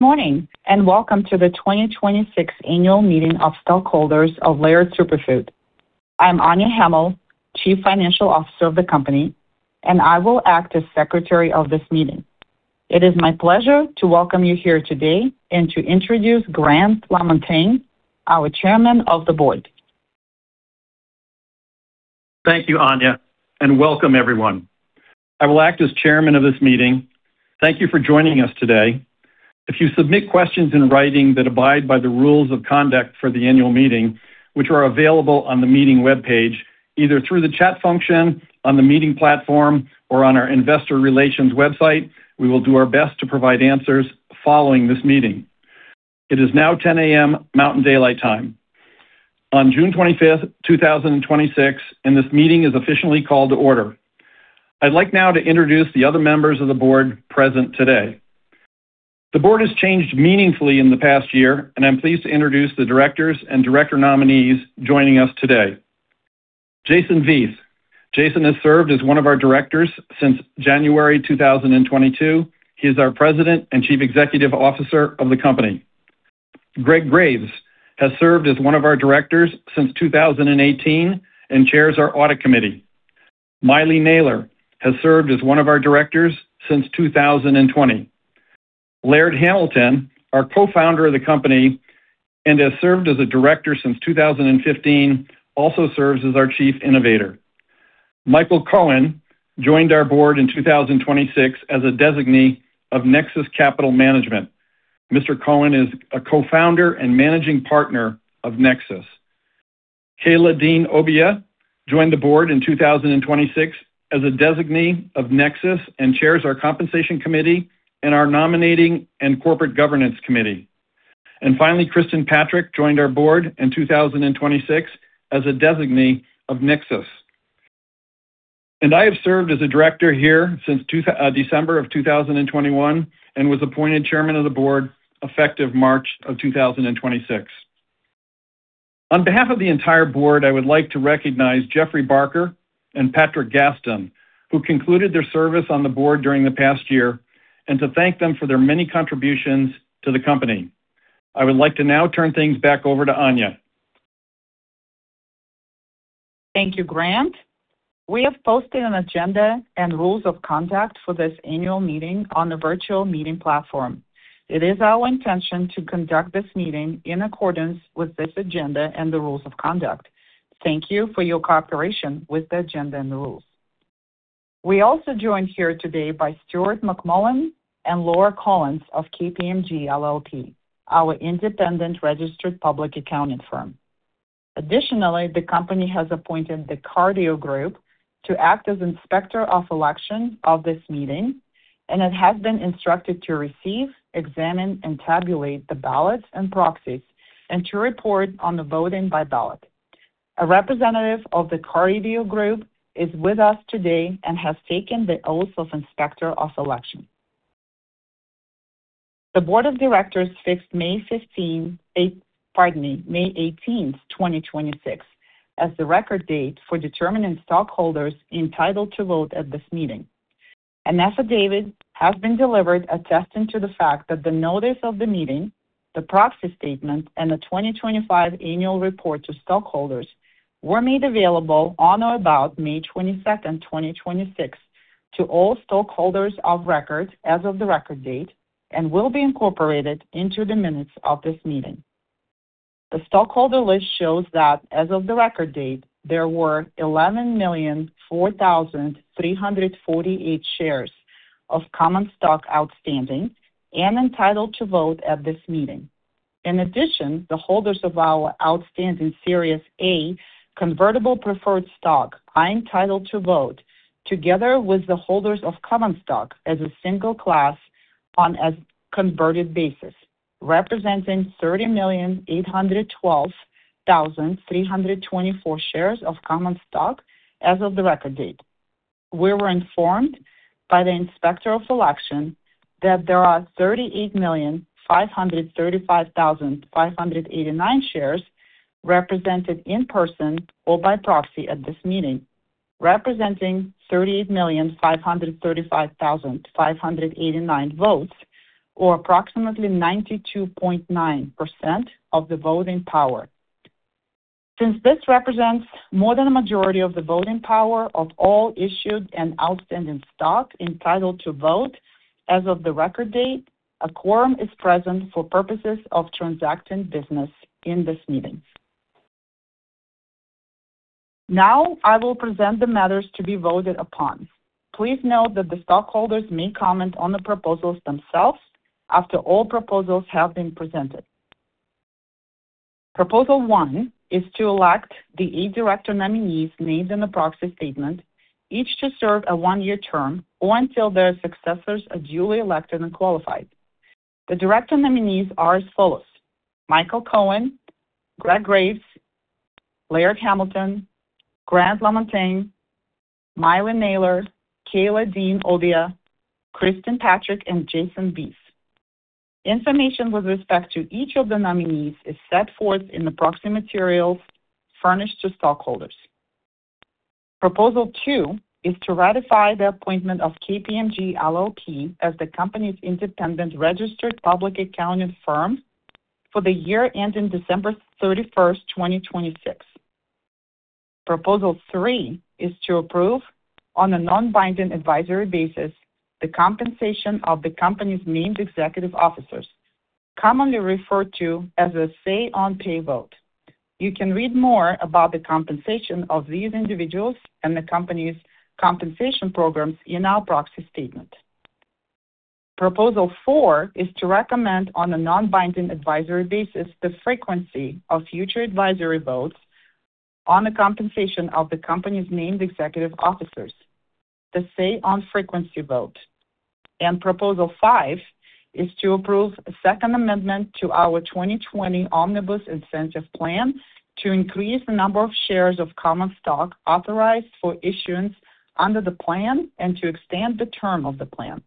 Good morning. Welcome to the 2026 annual meeting of stockholders of Laird Superfood. I'm Anya Hamill, Chief Financial Officer of the company, and I will act as Secretary of this meeting. It is my pleasure to welcome you here today and to introduce Grant LaMontagne, our Chairman of the Board. Thank you, Anya. Welcome everyone. I will act as Chairman of this meeting. Thank you for joining us today. If you submit questions in writing that abide by the rules of conduct for the annual meeting, which are available on the meeting webpage, either through the chat function on the meeting platform or on our investor relations website, we will do our best to provide answers following this meeting. It is now 10:00 AM, Mountain Daylight Time on June 25th, 2026. This meeting is officially called to order. I'd like now to introduce the other members of the Board present today. The Board has changed meaningfully in the past year. I'm pleased to introduce the directors and director nominees joining us today. Jason Vieth. Jason has served as one of our directors since January 2022. He is our President and Chief Executive Officer of the company. Greg Graves has served as one of our directors since 2018 and chairs our Audit Committee. Maile Naylor has served as one of our directors since 2020. Laird Hamilton, our Co-Founder of the company and has served as a director since 2015, also serves as our Chief Innovator. Michael Cohen joined our Board in 2026 as a designee of Nexus Capital Management. Mr. Cohen is a Co-Founder and Managing Partner of Nexus. Kayla Dean Obia joined the Board in 2026 as a designee of Nexus and chairs our Compensation Committee and our Nominating and Corporate Governance Committee. Finally, Kristin Patrick joined our Board in 2026 as a designee of Nexus. I have served as a director here since December 2021 and was appointed Chairman of the Board effective March 2026. On behalf of the entire Board, I would like to recognize Geoffrey Barker and Patrick Gaston, who concluded their service on the Board during the past year, to thank them for their many contributions to the company. I would like to now turn things back over to Anya. Thank you, Grant. We have posted an agenda and rules of conduct for this annual meeting on the virtual meeting platform. It is our intention to conduct this meeting in accordance with this agenda and the rules of conduct. Thank you for your cooperation with the agenda and the rules. We also joined here today by Stuart McMullen and Laura Collins of KPMG LLP, our independent registered public accounting firm. Additionally, the company has appointed The Cardea Group to act as Inspector of Election of this meeting, and it has been instructed to receive, examine, and tabulate the ballots and proxies and to report on the voting by ballot. A representative of The Cardea Group is with us today and has taken the oath of inspector of election. The board of directors fixed May 18th, 2026, as the record date for determining stockholders entitled to vote at this meeting. An affidavit has been delivered attesting to the fact that the notice of the meeting, the proxy statement, and the 2025 annual report to stockholders were made available on or about May 22nd 2026, to all stockholders of record as of the record date and will be incorporated into the minutes of this meeting. The stockholder list shows that as of the record date, there were 11,004,348 shares of common stock outstanding and entitled to vote at this meeting. In addition, the holders of our outstanding Series A convertible preferred stock are entitled to vote together with the holders of common stock as a single class on a converted basis, representing 30,812,324 shares of common stock as of the record date. We were informed by the Inspector of Election that there are 38,535,589 shares represented in person or by proxy at this meeting, representing 38,535,589 votes or approximately 92.9% of the voting power. Since this represents more than a majority of the voting power of all issued and outstanding stock entitled to vote as of the record date, a quorum is present for purposes of transacting business in this meeting. Now, I will present the matters to be voted upon. Please note that the stockholders may comment on the proposals themselves after all proposals have been presented. Proposal 1 is to elect the eight director nominees named in the proxy statement, each to serve a one-year term or until their successors are duly elected and qualified. The director nominees are as follows: Michael Cohen, Greg Graves, Laird Hamilton, Grant LaMontagne, Maile Naylor, Kayla Dean Obia, Kristin Patrick, and Jason Vieth. Information with respect to each of the nominees is set forth in the proxy materials furnished to stockholders. Proposal 2 is to ratify the appointment of KPMG LLP as the company's independent registered public accounting firm for the year ending December 31st 2026. Proposal 3 is to approve, on a non-binding advisory basis, the compensation of the company's named executive officers, commonly referred to as a say on pay vote. You can read more about the compensation of these individuals and the company's compensation programs in our proxy statement. Proposal 4 is to recommend, on a non-binding advisory basis, the frequency of future advisory votes on the compensation of the company's named executive officers, the say on frequency vote. Proposal 5 is to approve a second amendment to our 2020 Omnibus Incentive Plan to increase the number of shares of common stock authorized for issuance under the plan and to extend the term of the plan.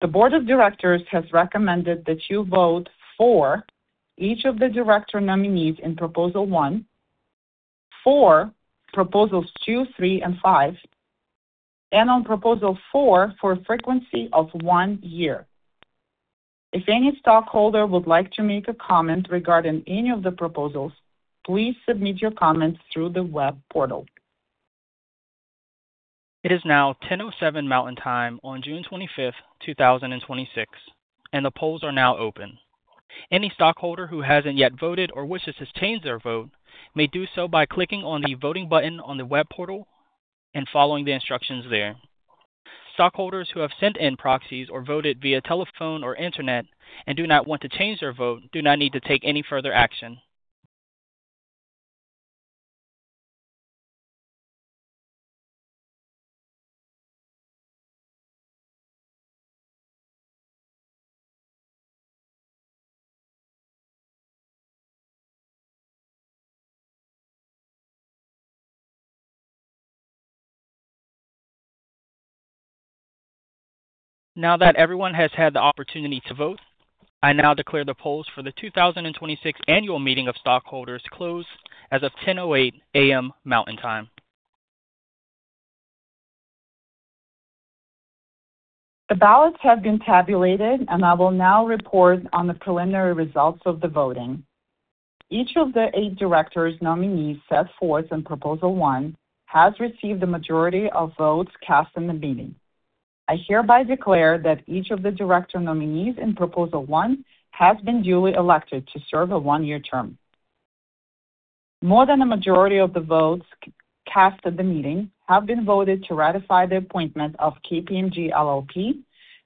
The board of directors has recommended that you vote for each of the director nominees in Proposal 1, for Proposals 2, 3, and 5, and on Proposal 4 for a frequency of one year. If any stockholder would like to make a comment regarding any of the proposals, please submit your comments through the web portal. It is now 10:07 AM Mountain Time on June 25th, 2026, the polls are now open. Any stockholder who hasn't yet voted or wishes to change their vote may do so by clicking on the voting button on the web portal and following the instructions there. Stockholders who have sent in proxies or voted via telephone or internet and do not want to change their vote do not need to take any further action. Now that everyone has had the opportunity to vote, I now declare the polls for the 2026 Annual Meeting of Stockholders closed as of 10:08 AM, Mountain Time. The ballots have been tabulated, I will now report on the preliminary results of the voting. Each of the eight directors' nominees set forth in Proposal 1 has received the majority of votes cast in the meeting. I hereby declare that each of the director nominees in Proposal 1 has been duly elected to serve a one-year term. More than a majority of the votes cast at the meeting have been voted to ratify the appointment of KPMG LLP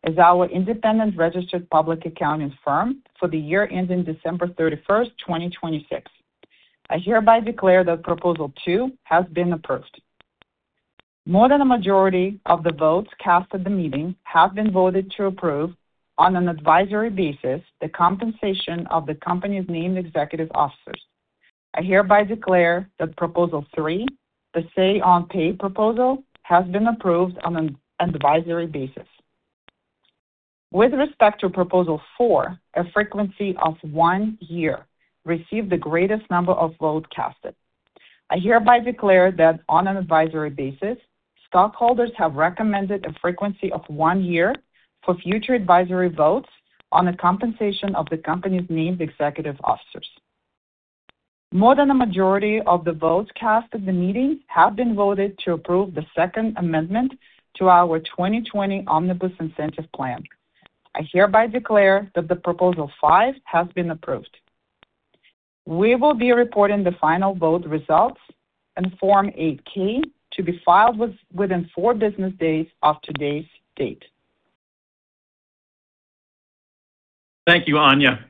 as our independent registered public accounting firm for the year ending December 31st, 2026. I hereby declare that Proposal 2 has been approved. More than a majority of the votes cast at the meeting have been voted to approve, on an advisory basis, the compensation of the company's named executive officers. I hereby declare that Proposal 3, the say on pay proposal, has been approved on an advisory basis. With respect to Proposal 4, a frequency of one year received the greatest number of votes cast. I hereby declare that on an advisory basis, stockholders have recommended a frequency of one year for future advisory votes on the compensation of the company's named executive officers. More than a majority of the votes cast at the meeting have been voted to approve the second amendment to our 2020 Omnibus Incentive Plan. I hereby declare that Proposal 5 has been approved. We will be reporting the final vote results in Form 8-K to be filed within four business days of today's date. Thank you, Anya.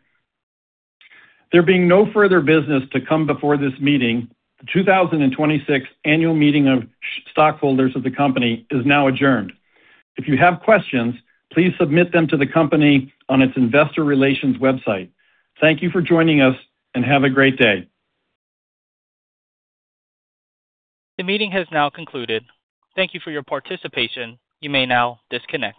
There being no further business to come before this meeting, the 2026 annual meeting of stockholders of the company is now adjourned. If you have questions, please submit them to the company on its investor relations website. Thank you for joining us, and have a great day. The meeting has now concluded. Thank you for your participation. You may now disconnect.